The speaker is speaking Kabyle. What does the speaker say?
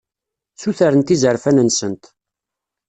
Sutrent izerfan-nsent.